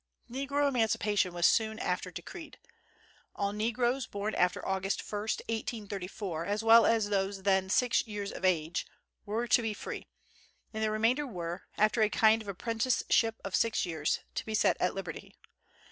Negro emancipation was soon after decreed. All negroes born after August 1,1834, as well as those then six years of age were to be free; and the remainder were, after a kind of apprenticeship of six years, to be set at liberty.